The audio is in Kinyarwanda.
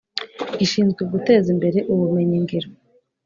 gishinzwe Guteza Imbere Ubumenyingiro